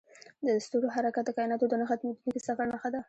د ستورو حرکت د کایناتو د نه ختمیدونکي سفر نښه ده.